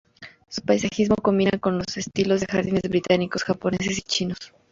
Su paisajismo combina los estilos de jardines británicos, japoneses y chinos.